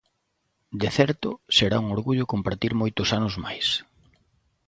De certo, será un orgullo compartir moitos anos máis.